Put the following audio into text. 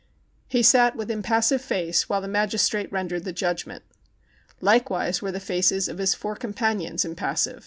He sat with impassive face, while the magis trate rendered the judgment. Likewise were the faces of his four companions impassive.